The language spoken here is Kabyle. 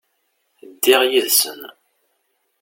Ddiɣ yid-sen.